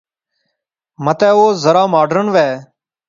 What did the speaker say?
متے او ذرا ماڈرن وہے